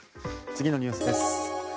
次のニュースです。